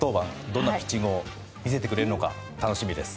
どんなピッチングを見せてくれるのか楽しみです。